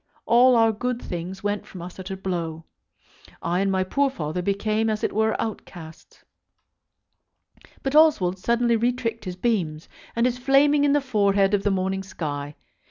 All our good things went from us at a blow. I and my poor father became as it were outcasts. But Oswald suddenly retricked his beams, and is flaming in the forehead of the morning sky.